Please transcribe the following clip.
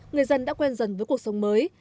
người dân đã quen dần với cuộc sống mới